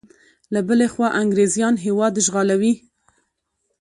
له بلې خوا انګریزیان هیواد اشغالوي.